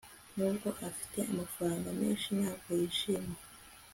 nubwo afite amafaranga menshi, ntabwo yishimye